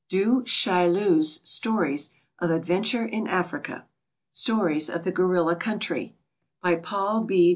DU CHAILLU'S STORIES OF ADVENTURE IN AFRICA. Stories of the Gorilla Country. By PAUL B.